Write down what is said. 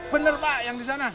benar pak yang di sana